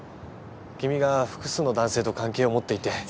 君が複数の男性と関係を持っていて。